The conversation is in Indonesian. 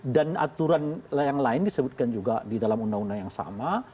dan aturan yang lain disebutkan juga di dalam undang undang yang sama